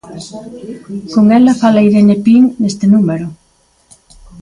Con ela fala Irene Pin neste número.